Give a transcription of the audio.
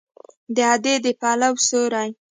د ادې د پلو سیوری